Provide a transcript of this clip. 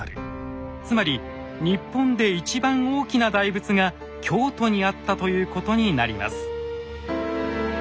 つまり日本で一番大きな大仏が京都にあったということになります。